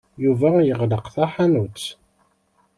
Yuba yeɣleq taḥanut.